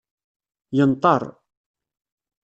Yenṭer.